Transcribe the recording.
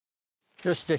よし！